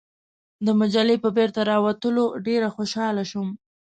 د مجلې په بیرته راوتلو ډېر خوشاله شوم.